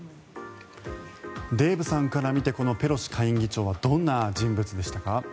デーブさんから見てこのペロシ下院議長はどんな人物でしたか。